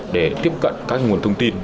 để tiếp cận các nguồn thông tin